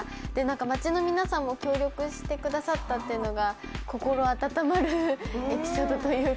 町の皆さんも協力してくださったというのが心温まるエピソードというか。